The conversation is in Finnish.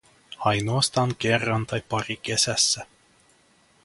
Ainoastaan kerran tai pari kesässä.